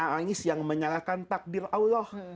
nangis yang menyalahkan takdir allah